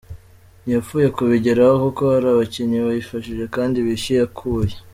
Ntiyapfuye kubigeraho kuko hari abakinnyi bayifashije kandi biyushye akuya.